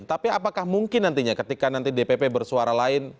tapi apakah mungkin nantinya ketika nanti dpp bersuara lain